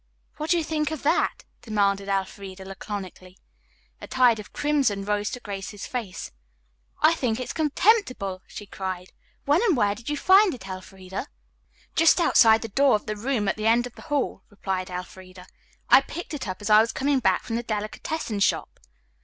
"What do you think of that?" demanded Elfreda laconically. A tide of crimson rose to Grace's face. "I think it is contemptible," she cried. "When and where did you find it, Elfreda?" "Just outside the door of the room at the end of the hall," replied Elfreda. "I picked it up as I was coming back from the delicatessen shop."